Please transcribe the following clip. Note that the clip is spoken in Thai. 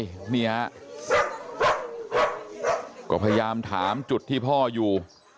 ลูกเมียก็พยายามถามจุดที่พ่ออยู่